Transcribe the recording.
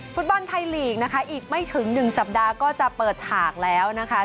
ฟุตบอลไทยลีกนะคะอีกไม่ถึง๑สัปดาห์ก็จะเปิดฉากแล้วนะคะ